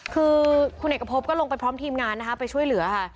คือคุณเอกพบก็ลงไปพร้อมทีมงานนะคะไปช่วยเหลือค่ะ